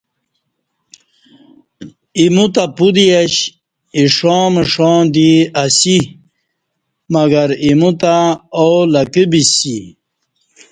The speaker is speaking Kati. ایموُ تہ پُت یش، ایݜاݩ مݜاݩ دی اسی، مگر ایمو تہ او لکہ بسیسی۔